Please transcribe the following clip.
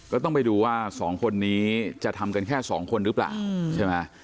ก็ต้องไปดูว่าสองคนนี้จะทำกันแค่สองคนหรือเปล่าใช่ไหม